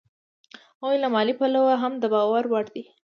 هغوی له مالي پلوه هم د باور وړ دي